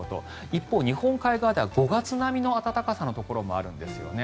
一方、日本海側では５月並みの暖かさのところもあるんですよね。